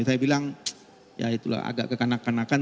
saya bilang ya itulah agak kekanak kanakan